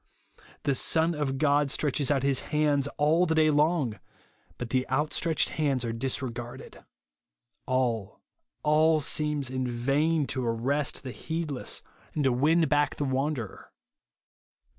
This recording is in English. The .Son of God stretches out his hands all the day long, but the outstretched hands are disregarded. All, all seems in vain to arrest the heedless, and to win back the wanderer.